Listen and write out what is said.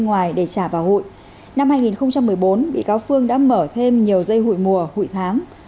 năm hai nghìn một mươi bốn bị cáo phương đã mở thêm nhiều dây hụi mùa hụi tháng